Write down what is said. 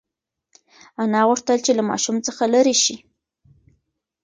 انا غوښتل چې له ماشوم څخه لرې شي.